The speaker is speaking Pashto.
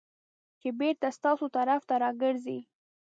چې بېرته ستاسو طرف ته راګرځي .